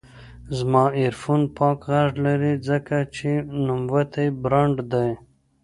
زما ایرفون پاک غږ لري، ځکه چې نوموتی برانډ دی.